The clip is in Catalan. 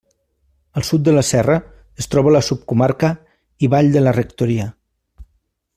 Al sud de la serra es troba la subcomarca i vall de la Rectoria.